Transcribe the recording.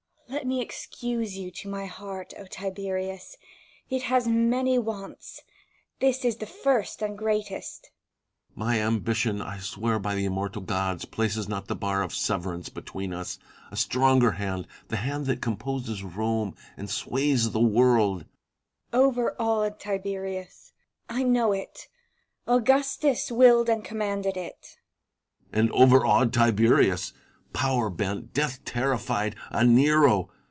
Let me excuse you to my heart, Tiberius. It has many wants ; this is the first and greatest. Tiberius. My ambition, I swear by the immortal gods, places not the bar of severance between us. A stronger hand, the hand that composes Rome and sways the world Vipsania. Overawed Tiberius. I know it ; Augustus willed and commanded it. Tiberius. And overawed Tiberius ! Power bent. Death terrified, a Nero